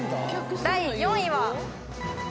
第４位は。